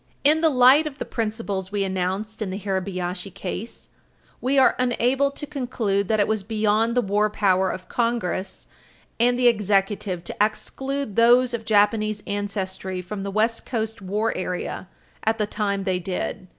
In the light of the principles we announced in the Hirabayashi case, we are unable to conclude that it was beyond the war power of Congress and the Executive to exclude Page 323 U. S. 218 those of Japanese ancestry from the West Coast war area at the time they did.